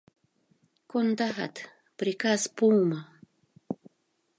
— Кондат... приказ пуымо.